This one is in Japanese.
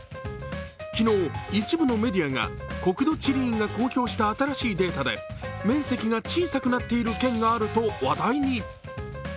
昨日、一部のメディアが、国土地理院が公表した新しいデータで面積が小さくなっている県があると話題に。